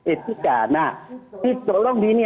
etika nah tolong di ini